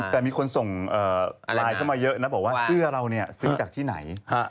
แต่มีคนส่งไลน์เข้ามาเยอะนะบอกว่าเสื้อเราเนี่ยซื้อจากที่ไหน